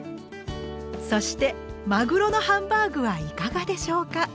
そしてまぐろのハンバーグはいかがでしょうか？